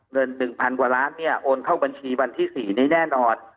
เงิน๑๐๐๐กว่าล้านเนี่ยโอนเข้าบัญชีวันที่๔นี้แน่นอน